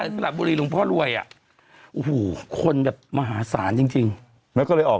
สระบุรีหลวงพ่อรวยอ่ะโอ้โหคนแบบมหาศาลจริงแล้วก็เลยออก